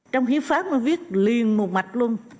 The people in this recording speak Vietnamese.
trong hiếp pháp nó viết liền một mạch luôn